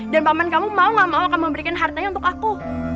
dan paman kamu mau gak mau akan memberikan hartanya untuk aku